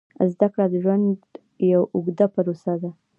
زده کړه د ژوند یوه اوږده پروسه ده.